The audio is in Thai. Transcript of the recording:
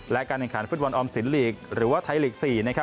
และการแข่งขันฟุตบอลออมสินลีกหรือว่าไทยลีก๔